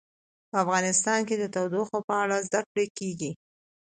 په افغانستان کې د تودوخه په اړه زده کړه کېږي.